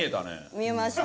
見えました。